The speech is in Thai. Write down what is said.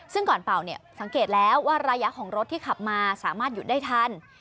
ซึ่งก่อนเป่าเนี่ยสังเกตแล้วว่าระยะของรถที่ขับมาสามารถหยุดได้ทัน